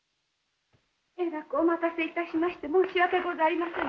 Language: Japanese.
えらくお待たせいたしまして申し訳ございませぬ。